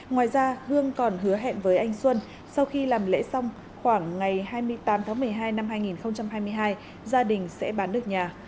ngoài ra hương còn hứa hẹn với anh xuân sau khi làm lễ xong khoảng ngày hai mươi tám tháng một mươi hai năm hai nghìn hai mươi hai gia đình sẽ bán được nhà